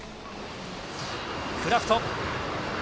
クラフト。